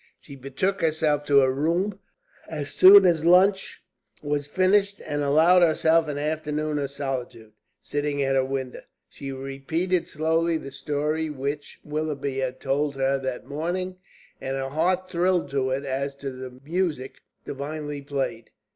She betook herself to her room as soon as lunch was finished, and allowed herself an afternoon of solitude. Sitting at her window, she repeated slowly the story which Willoughby had told to her that morning, and her heart thrilled to it as to music divinely played.